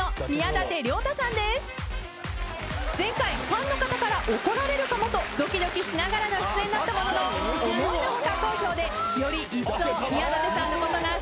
前回ファンの方から怒られるかもとドキドキしながらの出演だったものの思いの外好評でよりいっそう宮舘さんのことが好きになったそうです。